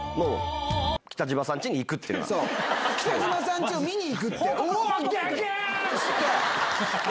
北島さん家を見に行く。